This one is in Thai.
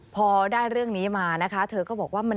พอได้เรื่องนี้มานะคะเธอก็บอกว่า